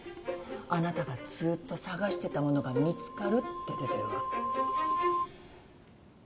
あなたがずっと探してたものが見つかるって出てるわ。